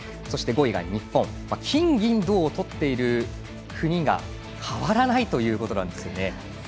そして、５位が日本金、銀、銅をとっている国が変わらないということです。